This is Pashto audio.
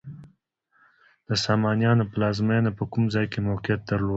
د سامانیانو پلازمینه په کوم ځای کې موقعیت درلود؟